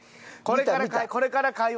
これから。